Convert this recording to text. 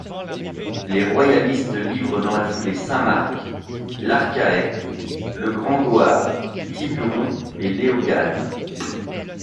Les royalistes livrent dans la foulée Saint-Marc, L'Arcahaie, Le Grand-Goâve, Tiburon et Léogâne.